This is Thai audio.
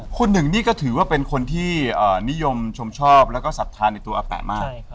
คุณหนึ่งนี่ก็ถือว่าเป็นคนที่นิยมชมชอบแล้วก็ศรัทธาในตัวอาแปะมาก